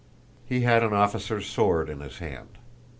He had an officer's sword in his hand.